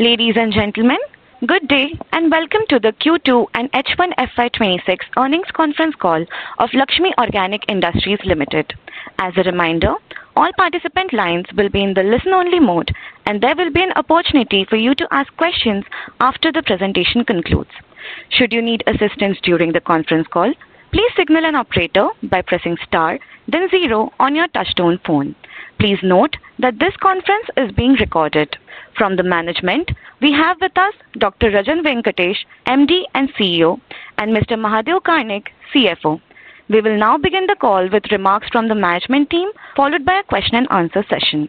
Ladies and gentlemen, good day and welcome to the Q2 and H1 FY2026 earnings conference call of Laxmi Organic Industries Limited. As a reminder, all participant lines will be in the listen-only mode, and there will be an opportunity for you to ask questions after the presentation concludes. Should you need assistance during the conference call, please signal an operator by pressing star, then zero on your touchtone phone. Please note that this conference is being recorded. From the management, we have with us Dr. Rajan Venkatesh, MD and CEO, and Mr. Mahadeo Karnik, Chief Financial Officer. We will now begin the call with remarks from the management team, followed by a question and answer session.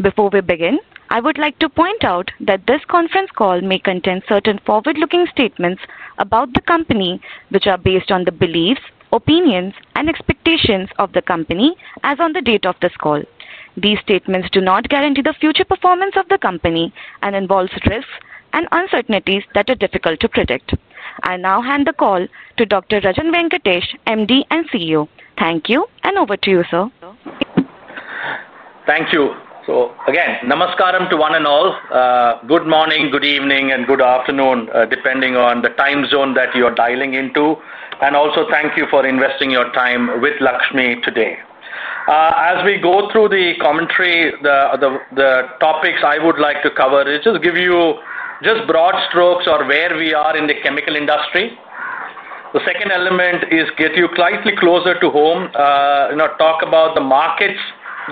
Before we begin, I would like to point out that this conference call may contain certain forward-looking statements about the company, which are based on the beliefs, opinions, and expectations of the company as on the date of this call. These statements do not guarantee the future performance of the company and involve risks and uncertainties that are difficult to predict. I now hand the call to Dr. Rajan Venkatesh, MD and CEO. Thank you and over to you, sir. Thank you. Namaskaram to one and all. Good morning, good evening, and good afternoon, depending on the time zone that you are dialing into. Thank you for investing your time with Laxmi today. As we go through the commentary, the topics I would like to cover are just to give you broad strokes on where we are in the chemical industry. The second element is to get you slightly closer to home, talk about the markets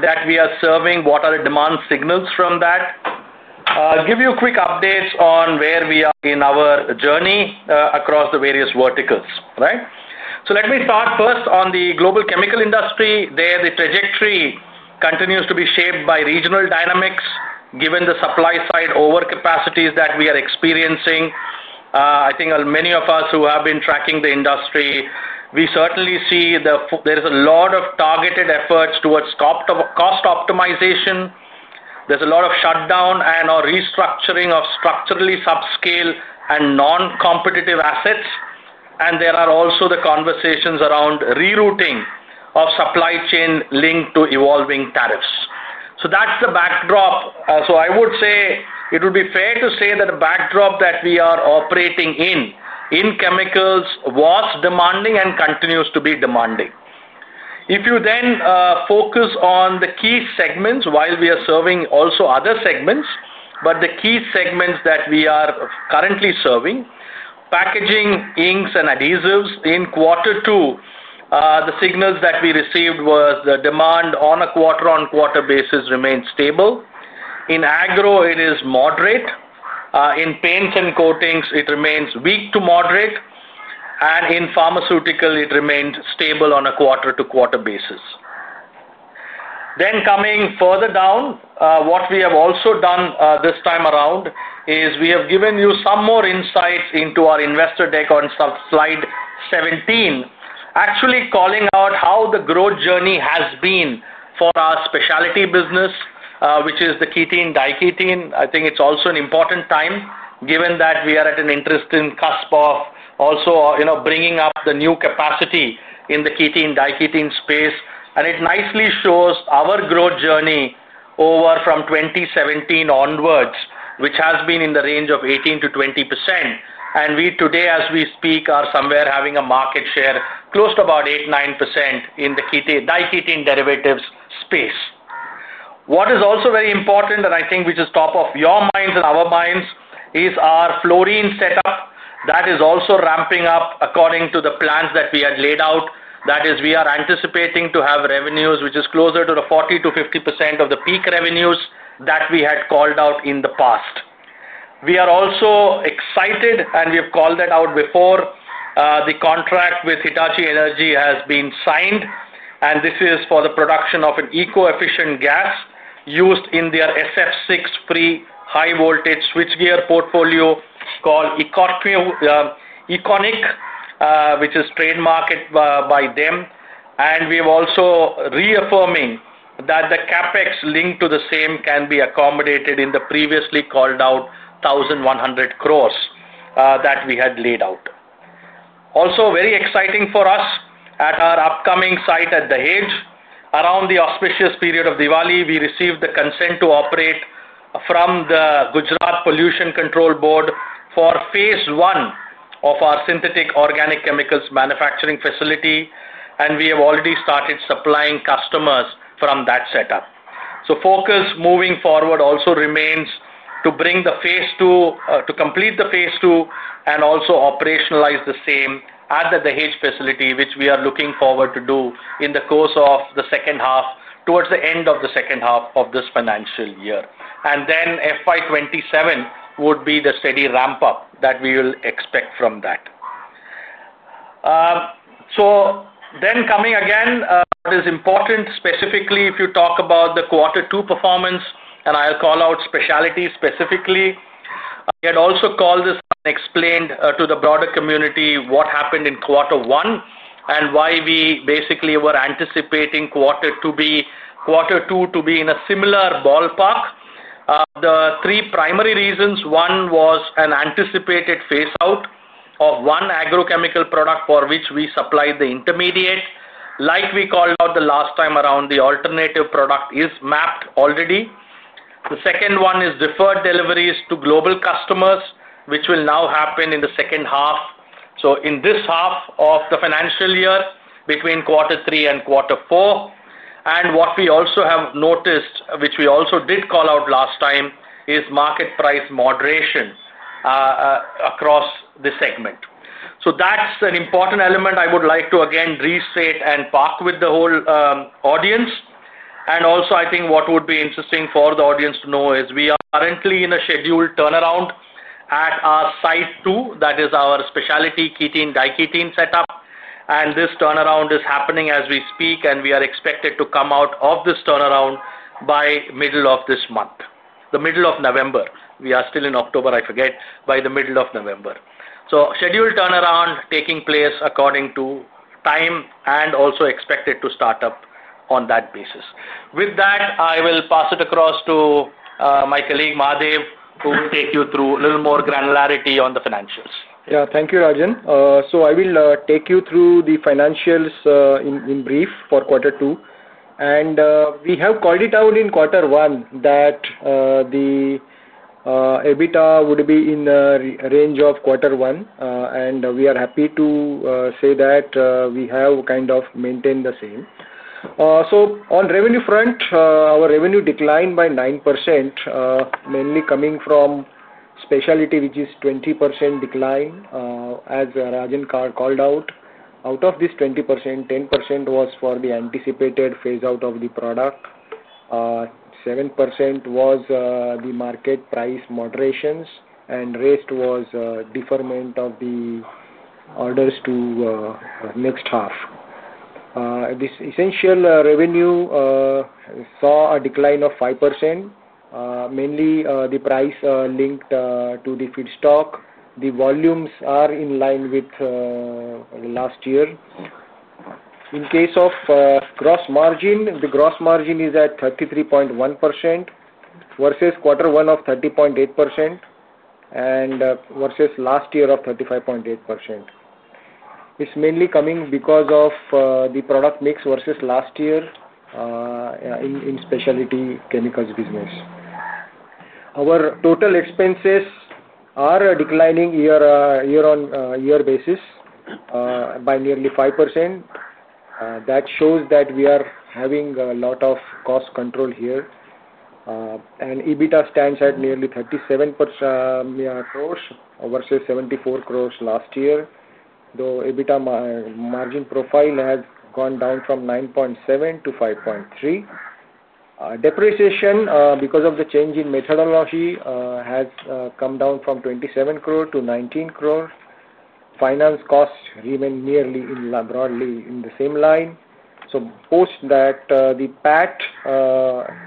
that we are serving, and what the demand signals are from that. I will give you quick updates on where we are in our journey across the various verticals, right? Let me start first on the global chemical industry. There, the trajectory continues to be shaped by regional dynamics, given the supply side overcapacities that we are experiencing. I think many of us who have been tracking the industry certainly see that there are a lot of targeted efforts towards cost optimization. There is a lot of shutdown and/or restructuring of structurally subscale and non-competitive assets. There are also conversations around rerouting of supply chain linked to evolving tariffs. That is the backdrop. I would say it would be fair to say that the backdrop that we are operating in chemicals was demanding and continues to be demanding. If you then focus on the key segments, while we are serving also other segments, the key segments that we are currently serving are packaging, inks, and adhesives. In quarter two, the signals that we received were the demand on a quarter-on-quarter basis remains stable. In agro, it is moderate. In paints and coatings, it remains weak to moderate. In pharmaceutical, it remains stable on a quarter-to-quarter basis. Coming further down, what we have also done this time around is we have given you some more insights into our investor deck on slide 17, actually calling out how the growth journey has been for our specialty business, which is the ketene and diketene industry. I think it is also an important time given that we are at an interesting cusp of also bringing up the new capacity in the ketene and diketene space. It nicely shows our growth journey from 2017 onwards, which has been in the range of 18%-20%. We today, as we speak, are somewhere having a market share close to about 8%-9% in the diketene derivatives space. What is also very important, and I think which is top of your minds and our minds, is our fluorine setup that is also ramping up according to the plans that we had laid out. That is, we are anticipating to have revenues which are closer to the 40%-50% of the peak revenues that we had called out in the past. We are also excited, and we have called that out before. The contract with Hitachi Energy has been signed, and this is for the production of an eco-efficient gas used in their SF6-free high-voltage switchgear portfolio called EconiQ, which is trademarked by them. We're also reaffirming that the CapEx linked to the same can be accommodated in the previously called out 1,100 crores that we had laid out. Also, very exciting for us at our upcoming site at Dahej, around the auspicious period of Diwali, we received the consent to operate from the Gujarat Pollution Control Board for phase I of our synthetic organic chemicals manufacturing facility. We have already started supplying customers from that setup. Focus moving forward also remains to bring the phase two, to complete the phase two, and also operationalize the same at the Dahej facility, which we are looking forward to do in the course of the second half, towards the end of the second half of this financial year. FY2027 would be the steady ramp-up that we will expect from that. Coming again, what is important specifically if you talk about the quarter two performance, and I'll call out specialty specifically. We had also called this and explained to the broader community what happened in quarter one and why we basically were anticipating quarter two to be in a similar ballpark. The three primary reasons, one was an anticipated phase-out of one agrochemical product for which we supplied the intermediate, like we called out the last time around, the alternative product is mapped already. The second one is deferred deliveries to global customers, which will now happen in the second half, in this half of the financial year between quarter three and quarter four. What we also have noticed, which we also did call out last time, is market price moderation across the segment. That's an important element I would like to again restate and park with the whole audience. I think what would be interesting for the audience to know is we are currently in a scheduled turnaround at our site two, that is our specialty ketene and diketene setup. This turnaround is happening as we speak, and we are expected to come out of this turnaround by the middle of this month, the middle of November. We are still in October, I forget, by the middle of November. The scheduled turnaround is taking place according to time and also expected to start up on that basis. With that, I will pass it across to my colleague, Mahadeo, who will take you through a little more granularity on the financials. Yeah, thank you, Rajan. I will take you through the financials in brief for quarter two. We have called it out in quarter one that the EBITDA would be in the range of quarter one. We are happy to say that we have kind of maintained the same. On revenue front, our revenue declined by 9%, mainly coming from specialty, which is a 20% decline, as Rajan called out. Out of this 20%, 10% was for the anticipated phase-out of the product, 7% was the market price moderations, and the rest was deferment of the orders to the next half. This essential revenue saw a decline of 5%, mainly the price linked to the feedstock. The volumes are in line with last year. In case of gross margin, the gross margin is at 33.1% versus quarter one of 30.8% and versus last year of 35.8%. It's mainly coming because of the product mix versus last year in the specialty chemicals business. Our total expenses are declining year-on-year basis by nearly 5%. That shows that we are having a lot of cost control here. EBITDA stands at nearly 37 crore versus 74 crore last year, though EBITDA margin profile has gone down from 9.7% to 5.3%. Depreciation, because of the change in methodology, has come down from 27 crore to 19 crore. Finance costs remain nearly broadly in the same line. Post that, the PAT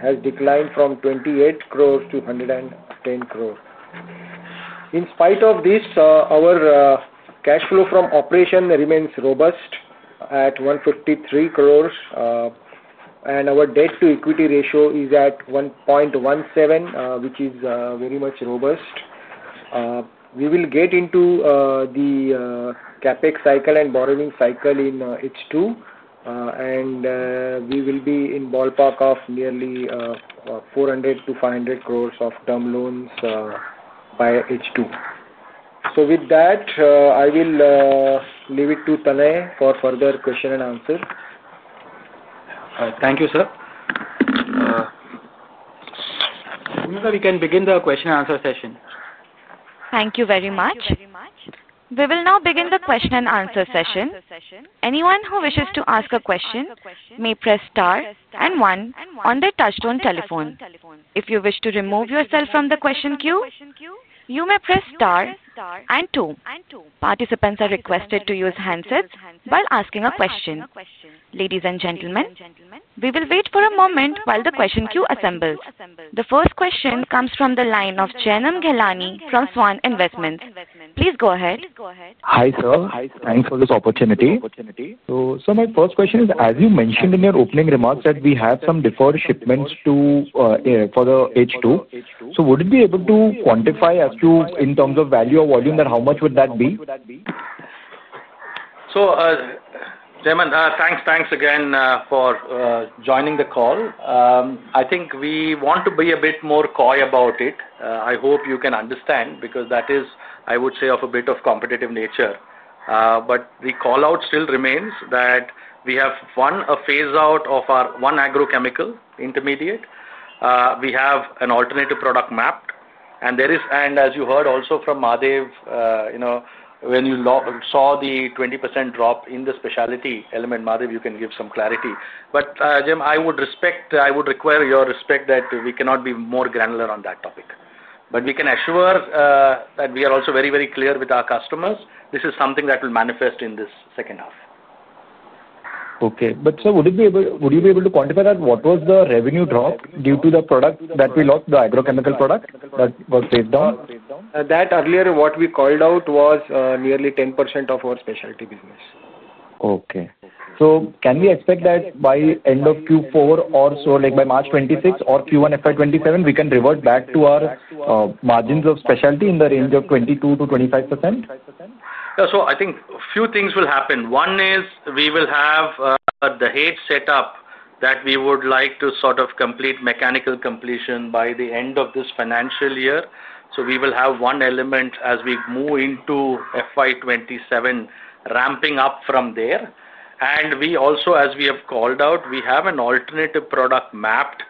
has declined from 28 crore to 10 crore. In spite of this, our cash flow from operation remains robust at 153 crore. Our debt-to-equity ratio is at 1.17, which is very much robust. We will get into the CapEx cycle and borrowing cycle in H2. We will be in the ballpark of nearly 400 crore-500 crore of term loans by H2. With that, I will leave it to Tanay for further questions and answers. Thank you, sir. I wonder if we can begin the question and answer session. Thank you very much. We will now begin the question and answer session. Anyone who wishes to ask a question may press star and one on their touchtone telephone. If you wish to remove yourself from the question queue, you may press star and two. Participants are requested to use handsets while asking a question. Ladies and gentlemen, we will wait for a moment while the question queue assembles. The first question comes from the line of Jainam Ghelani from Svan Investments. Please go ahead. Hi, sir. Thanks for this opportunity. My first question is, as you mentioned in your opening remarks that we have some deferred shipments for the H2, would you be able to quantify as to in terms of value or volume that how much would that be? Jainam, thanks again for joining the call. I think we want to be a bit more coy about it. I hope you can understand because that is, I would say, of a bit of competitive nature. The call out still remains that we have, one, a phase-out of our one agrochemical intermediate. We have an alternative product mapped. As you heard also from Mahadeo, you know, when you saw the 20% drop in the specialty element, Mahadeo, you can give some clarity. Jainam, I would require your respect that we cannot be more granular on that topic. We can assure that we are also very, very clear with our customers. This is something that will manifest in this second half. Okay. Sir, would you be able to quantify that? What was the revenue drop due to the product that we lost, the agrochemical product that was phased down? That earlier what we called out was nearly 10% of our specialty business. Okay. Can we expect that by the end of Q4 or by March 2026 or Q1 FY2027, we can revert back to our margins of specialty in the range of 22%-25%? I think a few things will happen. One is we will have the Dahej setup that we would like to complete mechanical completion by the end of this financial year. We will have one element as we move into FY2027, ramping up from there. We also, as we have called out, have an alternative product mapped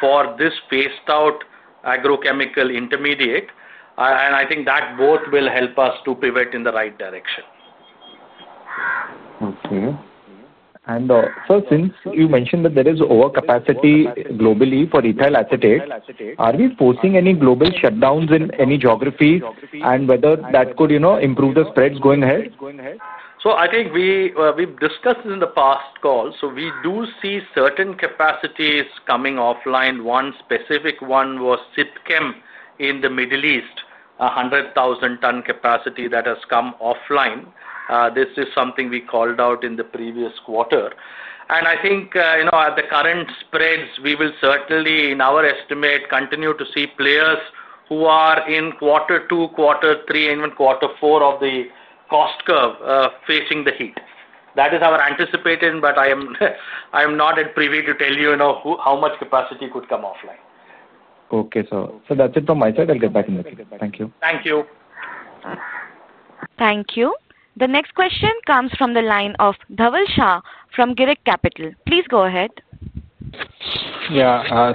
for this phase-out of an agrochemical intermediate. I think that both will help us to pivot in the right direction. Okay. Sir, since you mentioned that there is overcapacity globally for ethyl acetate, are we foreseeing any global shutdowns in any geographies, and whether that could improve the spreads going ahead? I think we've discussed this in the past call. We do see certain capacities coming offline. One specific one was Sitkem in the Middle East, 100,000-ton capacity that has come offline. This is something we called out in the previous quarter. I think, at the current spreads, we will certainly, in our estimate, continue to see players who are in quarter two, quarter three, and even quarter four of the cost curve facing the heat. That is our anticipation, but I am not at privy to tell you how much capacity could come offline. Okay, that's it from my side. I'll get back in the queue. Thank you. Thank you. Thank you. The next question comes from the line of Dhaval Shah from Girik Capital. Please go ahead.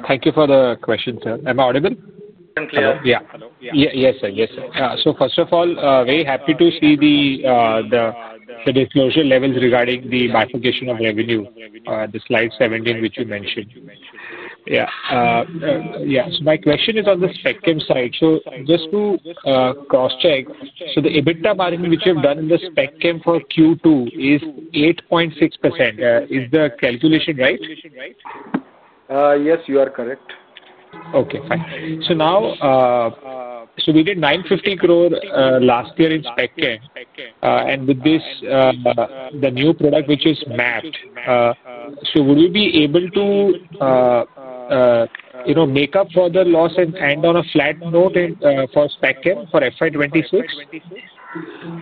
Thank you for the question, sir. Am I audible? Yeah. Yes, sir. First of all, very happy to see the disclosure levels regarding the bifurcation of revenue, the slide 17 which you mentioned. My question is on the specialty chemicals side. Just to cross-check, the EBITDA margin which we have done in the specialty chemicals for Q2 is 8.6%. Is the calculation right? Yes, you are correct. Okay. Fine. We did 950 crore last year in Sitkem. With this, the new product which is mapped, would we be able to make up for the loss and end on a flat note for Sitkem for FY2026?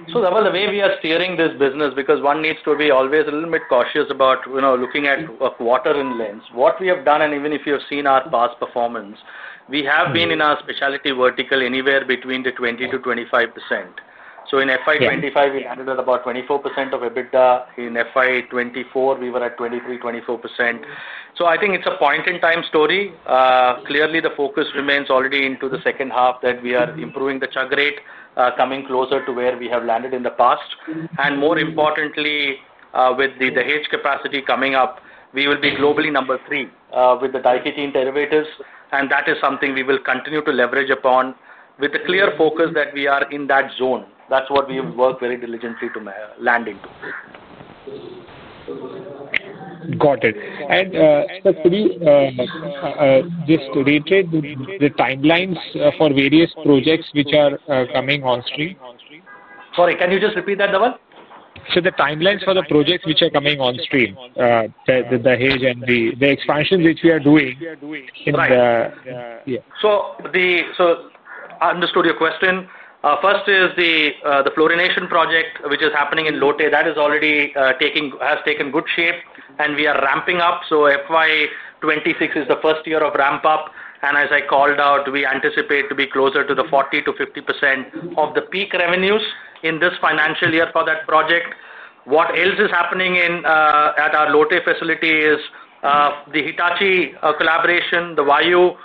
That was the way we are steering this business because one needs to be always a little bit cautious about, you know, looking at a quarter in length. What we have done, and even if you have seen our past performance, we have been in our specialty vertical anywhere between the 20% to 25%. In FY2025, we landed at about 24% of EBITDA. In FY2024, we were at 23%, 24%. I think it's a point-in-time story. Clearly, the focus remains already into the second half that we are improving the chug rate, coming closer to where we have landed in the past. More importantly, with the Dahej capacity coming up, we will be globally number three with the diketene derivatives. That is something we will continue to leverage upon with a clear focus that we are in that zone. That's what we work very diligently to land into. Got it. Just to reiterate the timelines for various projects which are coming on stream. Sorry, can you just repeat that, Dhaval? The timelines for the projects which are coming on stream, the Dahej and the expansions which we are doing in the. I understood your question. First is the fluorination project which is happening in Lote. That has already taken good shape, and we are ramping up. FY2026 is the first year of ramp-up. As I called out, we anticipate to be closer to the 40%-50% of the peak revenues in this financial year for that project. What else is happening at our Lote facility is the Hitach collaboration, the WAIU.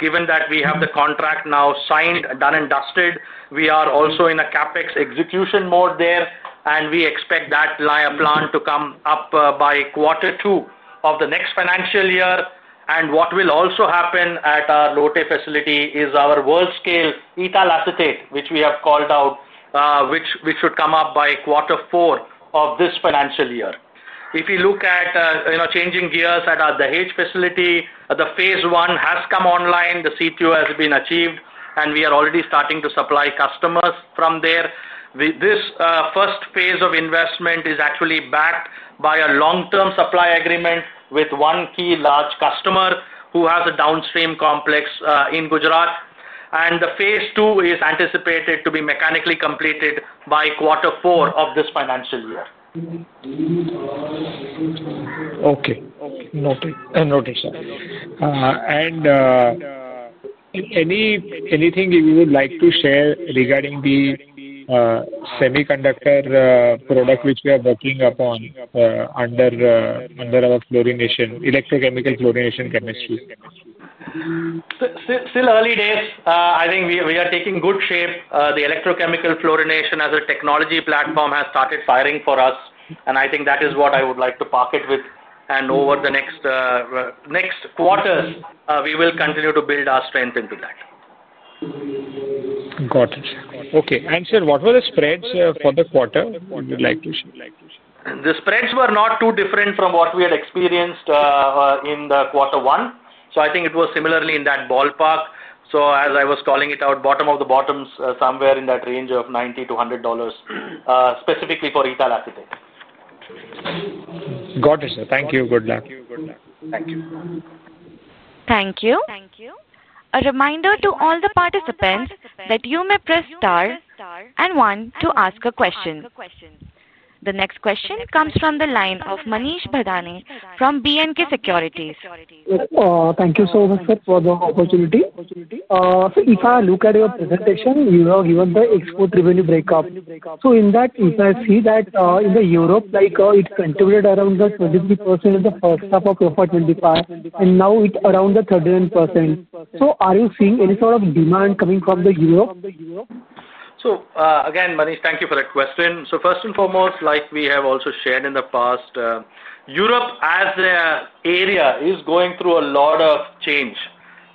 Given that we have the contract now signed and done and dusted, we are also in a CapEx execution mode there. We expect that plan to come up by quarter two of the next financial year. What will also happen at our Lote facility is our world-scale ethyl acetate, which we have called out, which should come up by quarter four of this financial year. If you look at changing gears at the Dahej facility, the phase one has come online. The C2 has been achieved, and we are already starting to supply customers from there. This first phase of investment is actually backed by a long-term supply agreement with one key large customer who has a downstream complex in Gujarat. The phase two is anticipated to be mechanically completed by quarter four of this financial year. Okay. Noted. Is there anything you would like to share regarding the semiconductor product which we are working upon under our fluorination, electrochemical fluorination chemistry? Still early days. I think we are taking good shape. The electrochemical fluorination as a technology platform has started firing for us. That is what I would like to park it with. Over the next quarters, we will continue to build our strength into that. Got it. Okay. Sir, what were the spreads for the quarter you would like to share? The spreads were not too different from what we had experienced in quarter one. I think it was similarly in that ballpark. As I was calling it out, bottom of the bottom somewhere in that range of $90 to $100, specifically for ethyl acetate. Got it, sir. Thank you. Good luck. Thank you. Good luck. Thank you. Thank you. A reminder to all the participants that you may press star and one to ask a question. The next question comes from the line of Manish Bhadane from B&K Securities. Thank you so much, sir, for the opportunity. If I look at your presentation, you have given the export revenue breakup. In that, if I see that in Europe, it's contributed around 23% in the first half of FY2025, and now it's around 31%. Are you seeing any sort of demand coming from Europe? Thank you for that question, Manish. First and foremost, like we have also shared in the past, Europe as an area is going through a lot of change.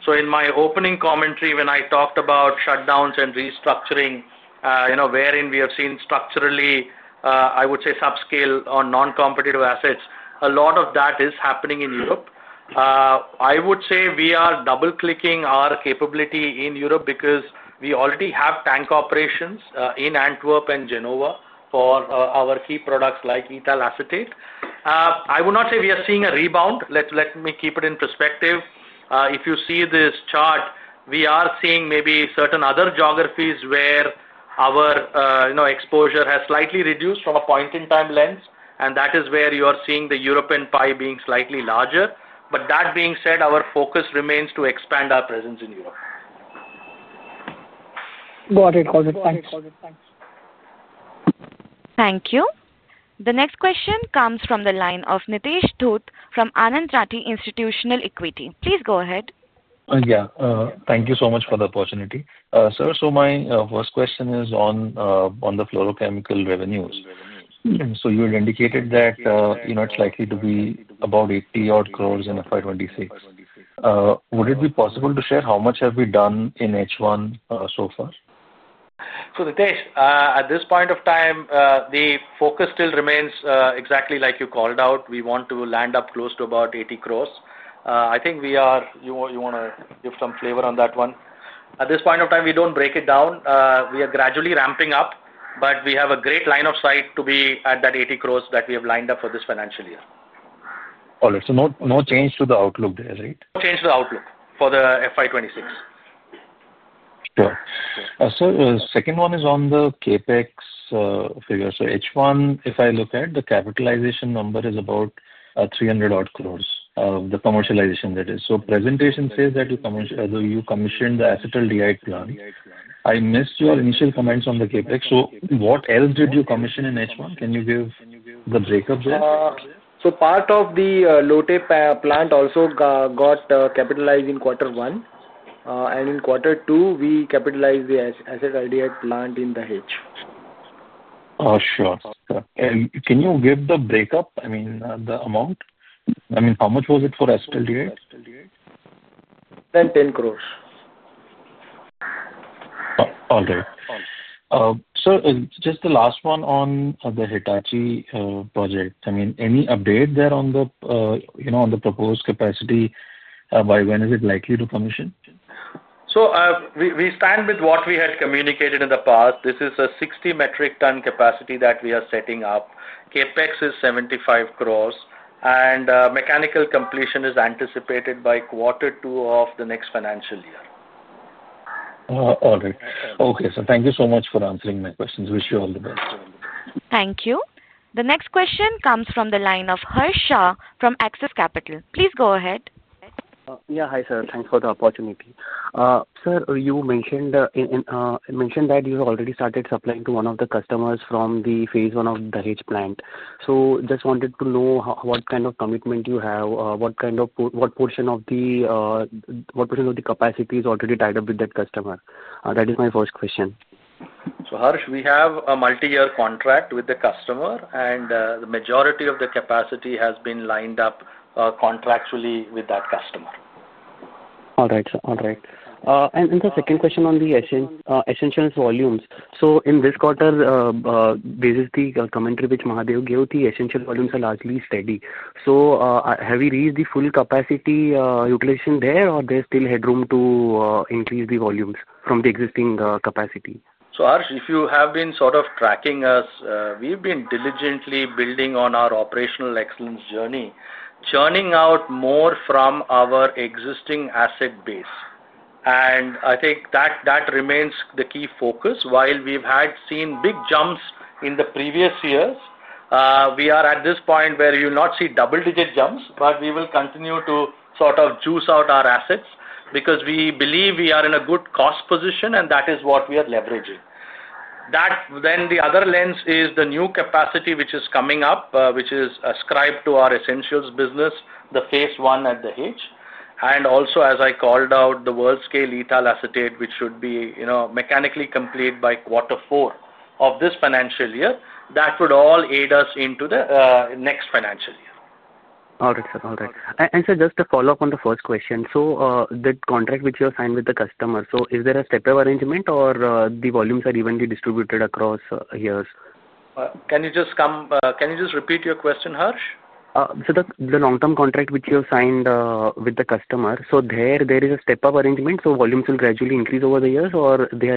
In my opening commentary, when I talked about shutdowns and restructuring, wherein we have seen structurally, I would say, subscale or non-competitive assets, a lot of that is happening in Europe. I would say we are double-clicking our capability in Europe because we already have tank operations in Antwerp and Genova for our key products like ethyl acetate. I would not say we are seeing a rebound. Let me keep it in perspective. If you see this chart, we are seeing maybe certain other geographies where our exposure has slightly reduced from a point-in-time lens. That is where you are seeing the European pie being slightly larger. That being said, our focus remains to expand our presence in Europe. Got it. Got it. Thanks. Thank you. The next question comes from the line of Nitesh Dhot from Anand Rathi Institutional Equity. Please go ahead. Thank you so much for the opportunity, sir. My first question is on the fluorochemical revenues. You had indicated that it's likely to be about 80 crore in FY2026. Would it be possible to share how much have we done in H1 so far? Nitesh, at this point of time, the focus still remains exactly like you called out. We want to land up close to about 80 crore. I think we are, you want to give some flavor on that one. At this point of time, we don't break it down. We are gradually ramping up, but we have a great line of sight to be at that 80 crore that we have lined up for this financial year. All right. No change to the outlook there, right? No change to the outlook for the FY2026. Sure. Sir, the second one is on the CapEx figure. H1, if I look at the capitalization number, is about 300-odd crores of the commercialization that is. The presentation says that you commissioned the acetaldehyde plant. I missed your initial comments on the CapEx. What else did you commission in H1? Can you give the breakup there? Part of the Lote plant also got capitalized in quarter one. In quarter two, we capitalized the acetaldehyde plant in Dahej. Sure. Can you give the breakup, I mean, the amount? I mean, how much was it for acetaldehyde? 10 crores. All right. Sir, just the last one on the Hitachi project. I mean, any update there on the, you know, on the proposed capacity? By when is it likely to commission? We stand with what we had communicated in the past. This is a 60 metric ton capacity that we are setting up. CapEx is 75 crore, and mechanical completion is anticipated by quarter two of the next financial year. All right. Okay. Thank you so much for answering my questions. Wish you all the best. Thank you. The next question comes from the line of Harsh Shah from Axis Capital. Please go ahead. Yeah. Hi, sir. Thanks for the opportunity. You mentioned that you already started supplying to one of the customers from the phase one of the Dahej plant. I just wanted to know what kind of commitment you have, what portion of the capacity is already tied up with that customer? That is my first question. We have a multi-year contract with the customer, and the majority of the capacity has been lined up contractually with that customer. All right, sir. All right. The second question on the essentials volumes. In this quarter, this is the commentary which Mahadeo gave. The essential volumes are largely steady. Have we reached the full capacity utilization there, or is there still headroom to increase the volumes from the existing capacity? If you have been sort of tracking us, we've been diligently building on our operational excellence journey, churning out more from our existing asset base. I think that remains the key focus. While we've seen big jumps in the previous years, we are at this point where you'll not see double-digit jumps, but we will continue to sort of juice out our assets because we believe we are in a good cost position, and that is what we are leveraging. The other lens is the new capacity which is coming up, which is ascribed to our essentials business, the phase one at Dahej. Also, as I called out, the world-scale ethyl acetate, which should be, you know, mechanically complete by quarter four of this financial year, that would all aid us into the next financial year. All right, sir. All right. Sir, just to follow up on the first question, the contract which you have signed with the customer, is there a step-up arrangement, or are the volumes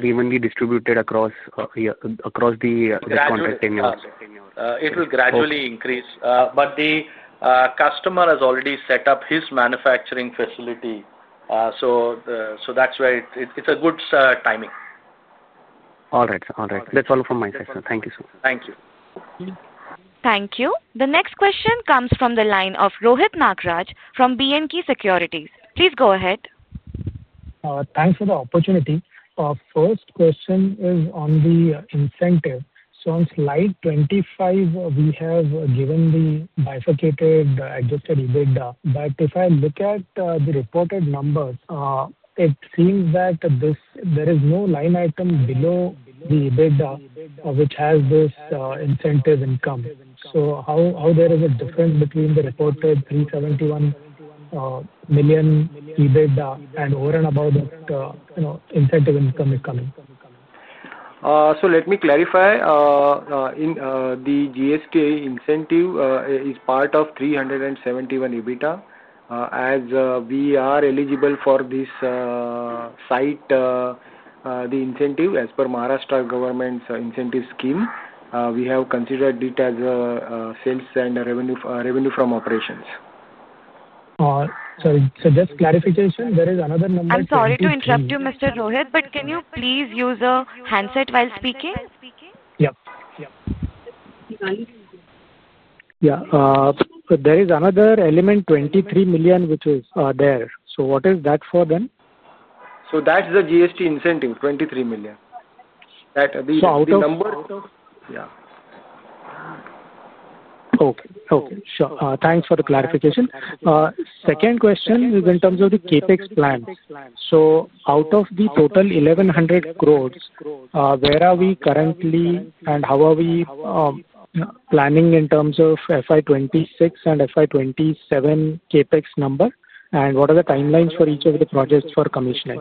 evenly distributed across years? Can you just repeat your question, Harsh? The long-term contract which you have signed with the customer, is there a step-up arrangement, so volumes will gradually increase over the years, or are they evenly distributed across the contract tenure? It will gradually increase, as the customer has already set up his manufacturing facility. That's where it's a good timing. All right, sir. All right. That's all from my side, sir. Thank you, sir. Thank you. Thank you. The next question comes from the line of Rohit Nagraj from B&K Securities. Please go ahead. Thanks for the opportunity. First question is on the incentive. On slide 25, we have given the bifurcated adjusted EBITDA. If I look at the reported numbers, it seems that there is no line item below the EBITDA which has this incentive income. How is there a difference between the reported 371 million EBITDA and, over and above that, incentive income is coming? Let me clarify. The GST incentive is part of 371 million EBITDA. As we are eligible for this site, the incentive, as per Maharashtra government's incentive scheme, we have considered it as sales and revenue from operations. Sorry, just clarification, there is another number. I'm sorry to interrupt you, Mr. Rohit, but can you please use a handset while speaking? Yeah, there is another element, 23 million, which is there. What is that for then? That's the GST incentive, 23 million. That's the number. Out of. Yeah. Okay. Sure. Thanks for the clarification. Second question is in terms of the CapEx plans. Out of the total 1,100 crores, where are we currently and how are we planning in terms of FY 2026 and FY 2027 CapEx number? What are the timelines for each of the projects for commissioning?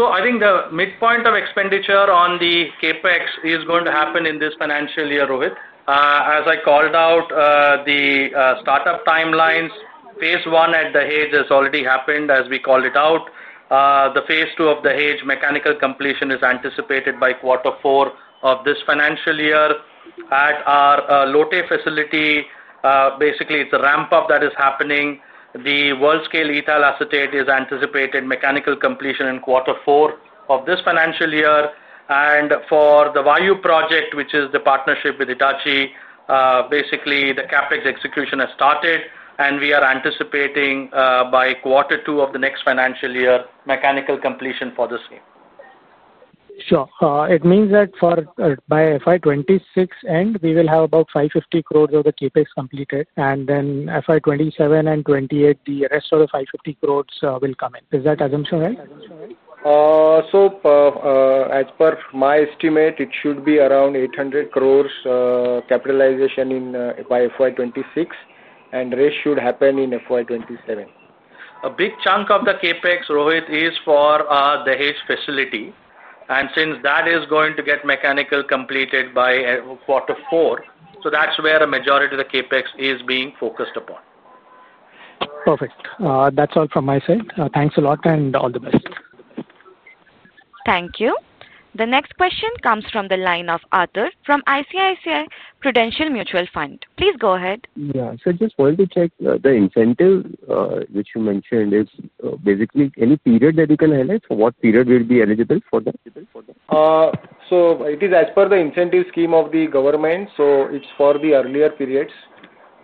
I think the midpoint of expenditure on the CapEx is going to happen in this financial year, Rohit. As I called out, the startup timelines, phase one at Dahej has already happened, as we called it out. The phase II of the Dahej mechanical completion is anticipated by quarter four of this financial year. At our Lote facility, basically, it's a ramp-up that is happening. The world-scale ethyl acetate is anticipated mechanical completion in quarter four of this financial year. For the WAIU project, which is the partnership with Hitachi, basically, the CapEx execution has started. We are anticipating by quarter two of the next financial year mechanical completion for the same. Sure. It means that by FY2026 end, we will have about 550 crore of the CapEx completed. Then FY2027 and FY2028, the rest of the 550 crore will come in. Is that assumption right? As per my estimate, it should be around 800 crore capitalization by FY 2026. The rest should happen in FY 2027. A big chunk of the CapEx, Rohit, is for the Dahej facility, and since that is going to get mechanically completed by quarter four, that's where a majority of the CapEx is being focused upon. Perfect. That's all from my side. Thanks a lot and all the best. Thank you. The next question comes from the line of Aatur from ICICI Prudential Mutual Fund. Please go ahead. Yeah, just for you to check, the incentive which you mentioned is basically any period that you can highlight? For what period will be eligible for that? It is as per the incentive scheme of the government. It is for the earlier periods.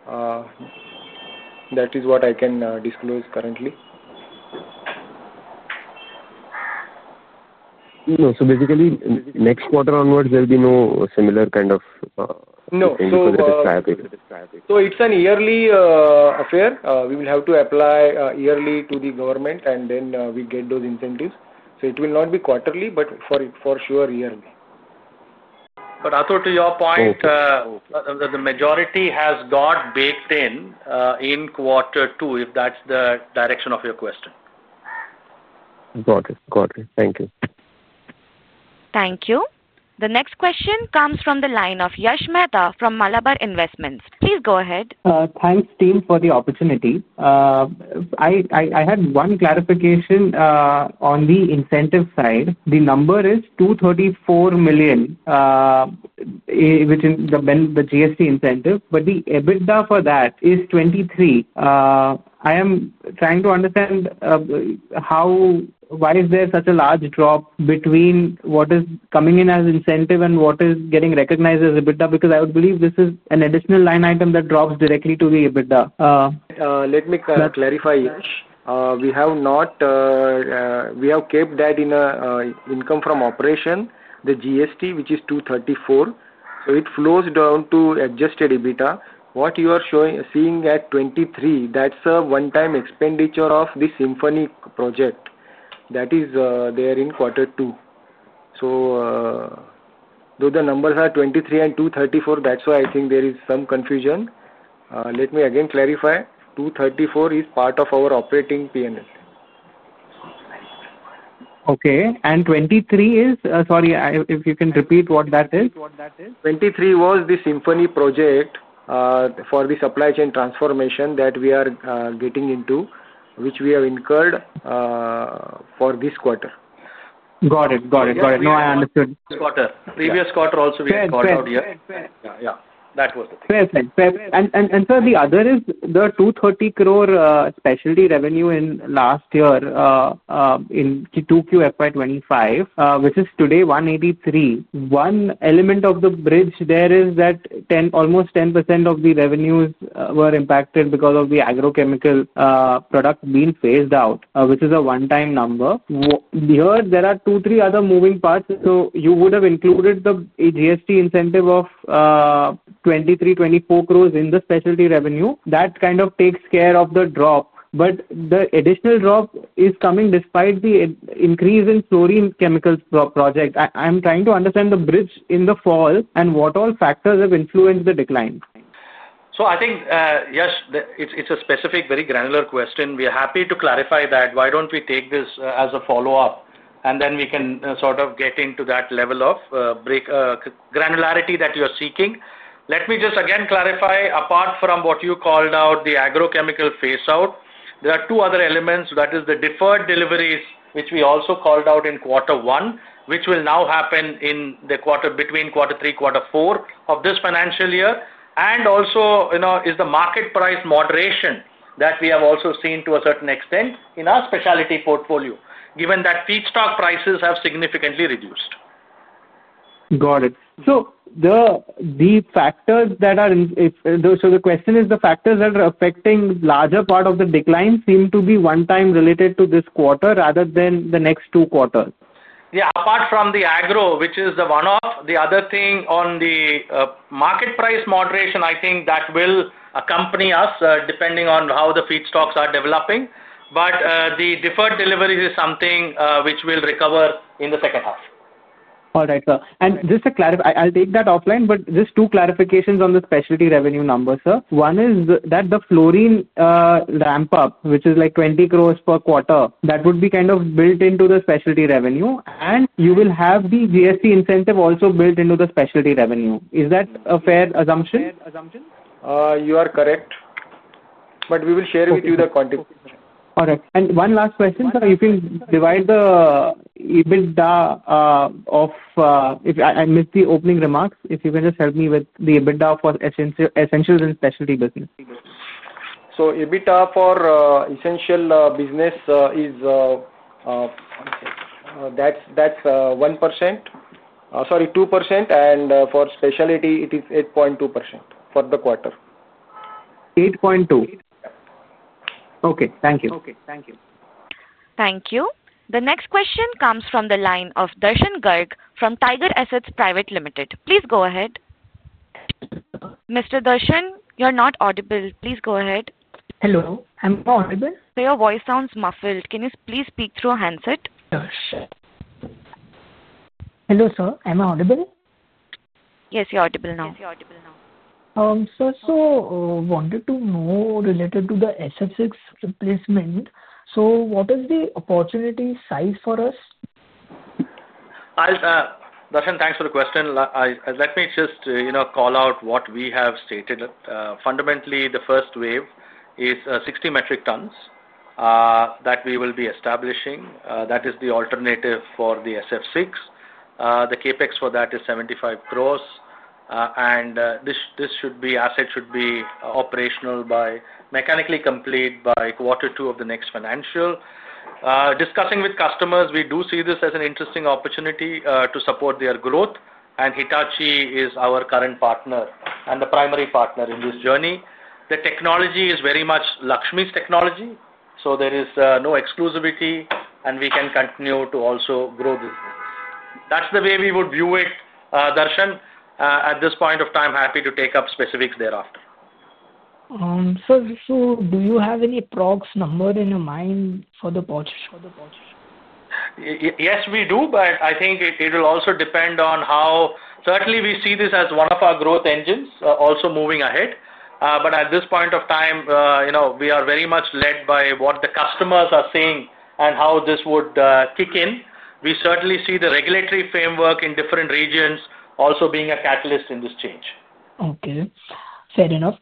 That is what I can disclose currently. No, basically, next quarter onwards, there will be no similar kind of incentive for the trial period? No, it's a yearly affair. We will have to apply yearly to the government, and then we get those incentives. It will not be quarterly, for sure, yearly. Aatur, to your point, the majority has got baked in in quarter two, if that's the direction of your question. Got it. Got it. Thank you. Thank you. The next question comes from the line of Yash Mehta from Malabar Investments. Please go ahead. Thanks, team, for the opportunity. I had one clarification on the incentive side. The number is 234 million, which is the GST incentive, but the EBITDA for that is 23. I am trying to understand how, why is there such a large drop between what is coming in as incentive and what is getting recognized as EBITDA? I would believe this is an additional line item that drops directly to the EBITDA. Let me clarify, Yash. We have not, we have kept that income from operation, the GST, which is 234 million. It flows down to adjusted EBITDA. What you are seeing at 23, that's a one-time expenditure of the Symphony project. That is there in quarter two. The numbers are 23 and 234 million, that's why I think there is some confusion. Let me again clarify. 234 million is part of our operating P&L. Okay, 23 is, sorry, if you can repeat what that is? 2023 was the Symphony project for the supply chain transformation that we are getting into, which we have incurred for this quarter. Got it. Got it. Got it. No, I understood. This quarter, previous quarter also we have called out. That was the thing. The other is the 230 crore specialty revenue in last year in Q2 FY2025, which is today 183 crore. One element of the bridge there is that almost 10% of the revenues were impacted because of the phase-out of an agrochemical intermediate, which is a one-time number. We heard there are two or three other moving parts. You would have included the GST incentive of 23 crore to 24 crore in the specialty revenue. That kind of takes care of the drop. The additional drop is coming despite the increase in fluorine chemicals project. I'm trying to understand the bridge in the fall and what all factors have influenced the decline. I think, Yash, it's a specific, very granular question. We are happy to clarify that. Why don't we take this as a follow-up? Then we can sort of get into that level of granularity that you are seeking. Let me just again clarify, apart from what you called out, the agrochemical phase-out, there are two other elements. That is the deferred deliveries, which we also called out in quarter one, which will now happen in the quarter between quarter three and quarter four of this financial year. Also, you know, is the market price moderation that we have also seen to a certain extent in our specialty portfolio, given that feedstock prices have significantly reduced. Got it. The factors that are in, the question is the factors that are affecting the larger part of the decline seem to be one-time related to this quarter rather than the next two quarters. Yeah. Apart from the agro, which is the one-off, the other thing on the market price moderation, I think that will accompany us depending on how the feedstocks are developing. The deferred deliveries is something which will recover in the second half. All right, sir. Just to clarify, I'll take that offline, but just two clarifications on the specialty revenue numbers, sir. One is that the fluorine ramp-up, which is like 20 crore per quarter, that would be kind of built into the specialty revenue. You will have the GST incentive also built into the specialty revenue. Is that a fair assumption? You are correct. We will share with you the quantity. All right. One last question, sir. If you can divide the EBITDA, if I missed the opening remarks, if you can just help me with the EBITDA for essentials and specialty business. EBITDA for essential business is 1%, sorry, 2%. For specialty, it is 8.2% for the quarter. Okay. Thank you. Thank you. The next question comes from the line of Darshan Garg from Tiger Assets Private Limited. Please go ahead. Mr. Darshan, you're not audible. Please go ahead. Hello, I'm not audible. Sir, your voice sounds muffled. Can you please speak through a handset? Hello, sir. Am I audible? Yes, you're audible now. Sir, I wanted to know related to the SF6 replacement. What is the opportunity size for us? Darshan, thanks for the question. Let me just call out what we have stated. Fundamentally, the first wave is 60 metric tons that we will be establishing. That is the alternative for the SF6. The CapEx for that is 75 crore. This asset should be operational, mechanically complete by quarter two of the next financial. Discussing with customers, we do see this as an interesting opportunity to support their growth. Hitachi Energy is our current partner and the primary partner in this journey. The technology is very much Laxmi's technology. There is no exclusivity, and we can continue to also grow this. That's the way we would view it, Darshan. At this point of time, happy to take up specifics thereafter. Sir, do you have any approximate number in your mind for the purchase? Yes, we do. I think it will also depend on how certainly we see this as one of our growth engines also moving ahead. At this point of time, you know, we are very much led by what the customers are saying and how this would kick in. We certainly see the regulatory framework in different regions also being a catalyst in this change. Okay. Fair enough.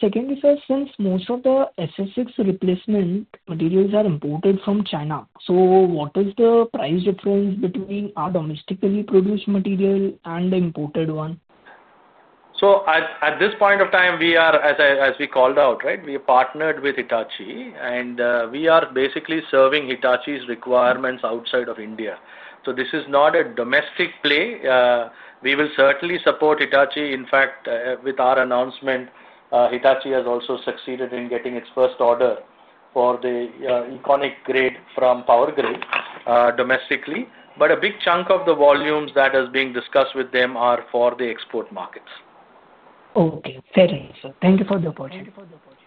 Secondly, sir, since most of the SF6 replacement materials are imported from China, what is the price difference between our domestically produced material and the imported one? At this point of time, we are, as we called out, right, we partnered with Hitachi. We are basically serving Hitachi's requirements outside of India. This is not a domestic play. We will certainly support Hitachi. In fact, with our announcement, Hitachi has also succeeded in getting its first order for the EconiQ grade from PowerGrade domestically. A big chunk of the volumes that are being discussed with them are for the export markets. Okay. Fair enough, sir. Thank you for the opportunity.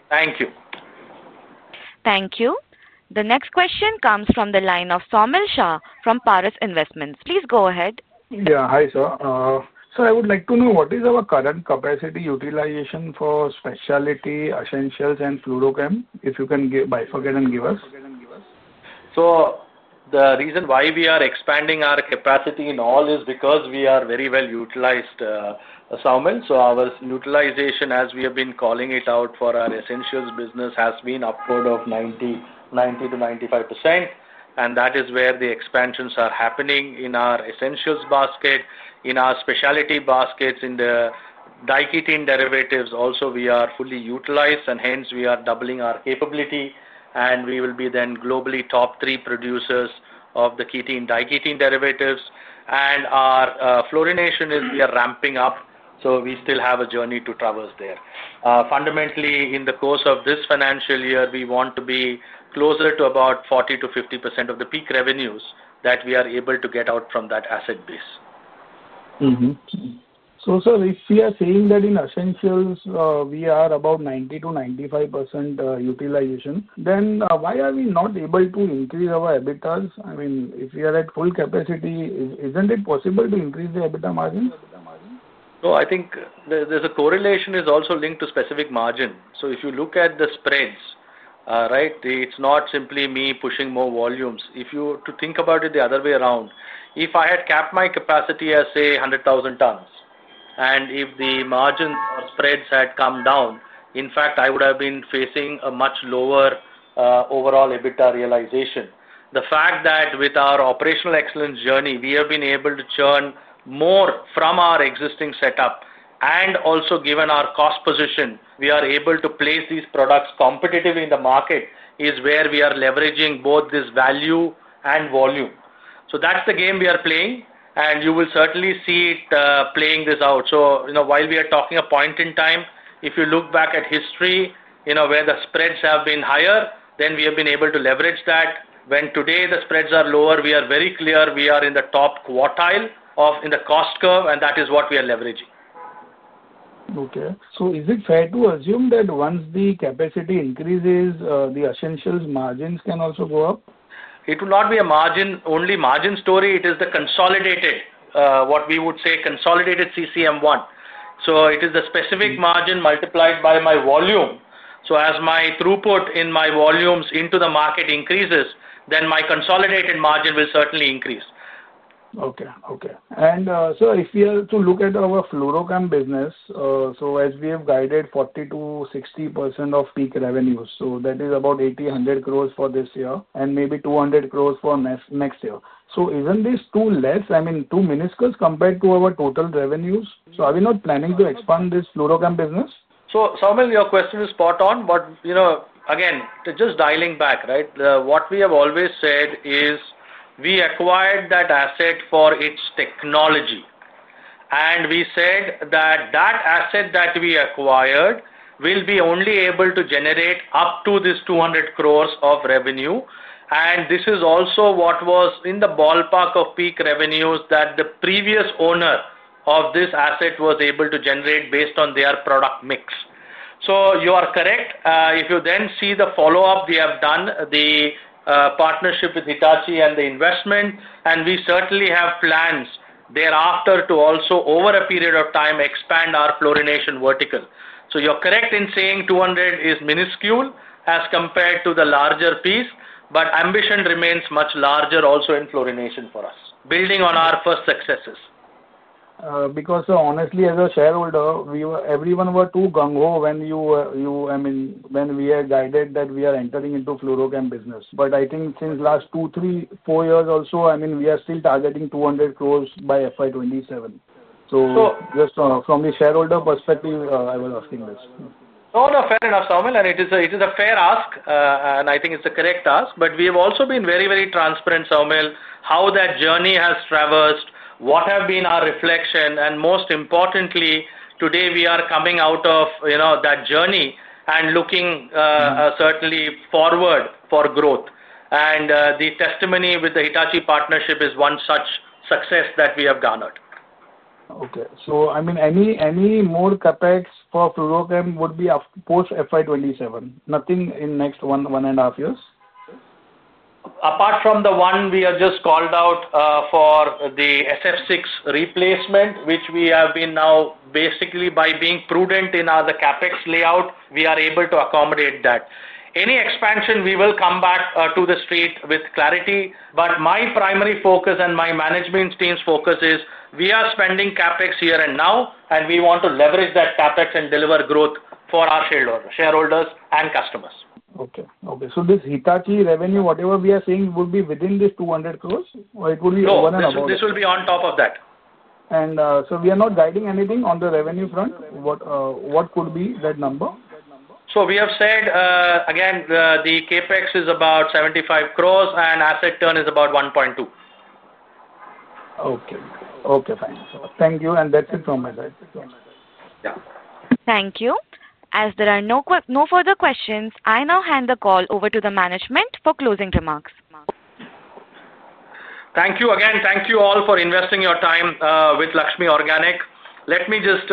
Thank you. Thank you. The next question comes from the line of Saumil Shah from Paras Investments. Please go ahead. Yeah. Hi, sir. Sir, I would like to know what is our current capacity utilization for specialty essentials and fluorochem, if you can bifurcate and give us? The reason why we are expanding our capacity in all is because we are very well utilized, Saumil. Our utilization, as we have been calling it out for our essentials business, has been upward of 90%-95%. That is where the expansions are happening in our essentials basket, in our specialty baskets, in the diketene derivatives. Also, we are fully utilized, and hence we are doubling our capability. We will be then globally top three producers of the ketene and diketene derivatives. Our fluorination is we are ramping up. We still have a journey to traverse there. Fundamentally, in the course of this financial year, we want to be closer to about 40% to 50% of the peak revenues that we are able to get out from that asset base. If we are saying that in essentials, we are about 90%-95% utilization, then why are we not able to increase our EBITDA? I mean, if we are at full capacity, isn't it possible to increase the EBITDA margin? I think there's a correlation that is also linked to specific margin. If you look at the spreads, it's not simply me pushing more volumes. If you think about it the other way around, if I had capped my capacity at, say, 100,000 tons, and if the margins or spreads had come down, I would have been facing a much lower overall EBITDA realization. The fact that with our operational excellence journey, we have been able to churn more from our existing setup, and also, given our cost position, we are able to place these products competitively in the market is where we are leveraging both this value and volume. That's the game we are playing, and you will certainly see it playing this out. While we are talking a point in time, if you look back at history, where the spreads have been higher, then we have been able to leverage that. When today the spreads are lower, we are very clear we are in the top quartile of the cost curve, and that is what we are leveraging. Okay. Is it fair to assume that once the capacity increases, the essentials margins can also go up? It will not be a margin-only margin story. It is the consolidated, what we would say, consolidated CCM1. It is the specific margin multiplied by my volume. As my throughput in my volumes into the market increases, then my consolidated margin will certainly increase. Okay. Okay. Sir, if we are to look at our fluorochem business, as we have guided 40%-60% of peak revenues, that is about 1,800 crore for this year and maybe 200 crore for next year. Isn't this too less? I mean, too minuscule compared to our total revenues? Are we not planning to expand this fluorochem business? Somil, your question is spot on. Again, just dialing back, what we have always said is we acquired that asset for its technology. We said that the asset we acquired will be only able to generate up to 200 crore of revenue. This is also what was in the ballpark of peak revenues that the previous owner of this asset was able to generate based on their product mix. You are correct. If you then see the follow-up, we have done the partnership with Hitachi Energy and the investment. We certainly have plans thereafter to also, over a period of time, expand our fluorination vertical. You're correct in saying 200 crore is minuscule as compared to the larger piece. Ambition remains much larger also in fluorination for us, building on our first successes. Because honestly, as a shareholder, everyone was too gung ho when you, I mean, when we were guided that we are entering into fluorochem business. I think since the last two, three, four years also, I mean, we are still targeting 200 crore by FY 2027. Just from a shareholder perspective, I was asking this. No, fair enough, Saumil. It is a fair ask, and I think it's a correct ask. We have also been very, very transparent, Saumil, how that journey has traversed, what have been our reflections. Most importantly, today we are coming out of that journey and looking certainly forward for growth. The testimony with the Hitachi partnership is one such success that we have garnered. Okay. I mean, any more CapEx for fluorochem would be post FY2027, nothing in the next one and a half years? Apart from the one we have just called out for the SF6 replacement, which we have been now basically, by being prudent in the CapEx layout, we are able to accommodate that. Any expansion, we will come back to the street with clarity. My primary focus and my management team's focus is we are spending CapEx here and now. We want to leverage that CapEx and deliver growth for our shareholders and customers. Okay. Okay. This Hitachi revenue, whatever we are seeing, would be within this 200 crore? Or would it be over and above? Yes, this will be on top of that. We are not guiding anything on the revenue front. What could be that number? The CapEx is about 75 crore, and asset turn is about 1.2. Okay. Okay. Fine. Thank you. That's it from my side. Yeah. Thank you. As there are no further questions, I now hand the call over to the management for closing remarks. Thank you. Again, thank you all for investing your time with Laxmi Organic. Let me just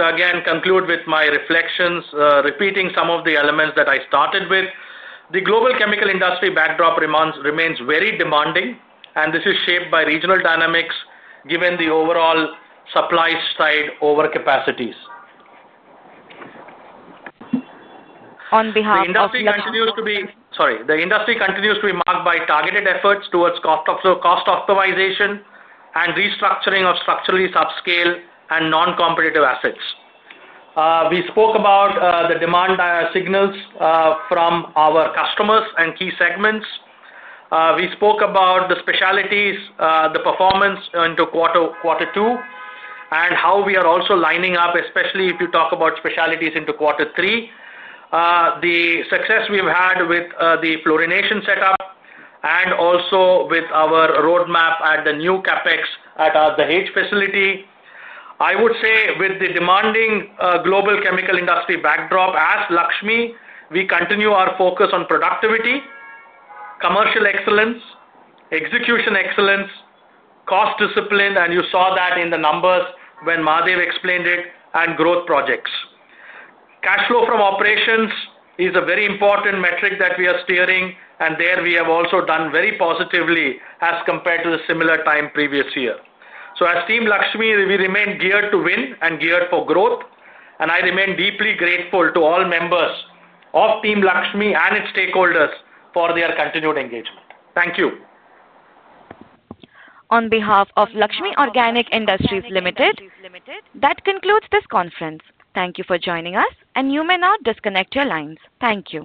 conclude with my reflections, repeating some of the elements that I started with. The global chemical industry backdrop remains very demanding. This is shaped by regional dynamics, given the overall supply side overcapacities. On behalf of the industry. The industry continues to be marked by targeted efforts towards cost optimization and restructuring of structurally subscale and non-competitive assets. We spoke about the demand signals from our customers and key segments. We spoke about the specialties, the performance into quarter two, and how we are also lining up, especially if you talk about specialties into quarter three, the success we've had with the fluorination setup and also with our roadmap at the new CapEx at the Dahej facility. I would say with the demanding global chemical industry backdrop, as Laxmi, we continue our focus on productivity, commercial excellence, execution excellence, cost discipline. You saw that in the numbers when Mahadeo explained it and growth projects. Cash flow from operations is a very important metric that we are steering. There we have also done very positively as compared to a similar time previous year. As Team Laxmi, we remain geared to win and geared for growth. I remain deeply grateful to all members of Team Laxmi and its stakeholders for their continued engagement. Thank you. On behalf of Laxmi Organic Industries Limited, that concludes this conference. Thank you for joining us. You may now disconnect your lines. Thank you.